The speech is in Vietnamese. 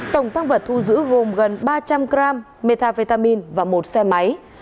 tổng thăng vật thu giữ gồm gần ba trăm linh gram metavitamin và một xe máy